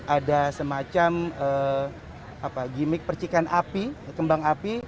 ada semacam gimmick percikan api kembang api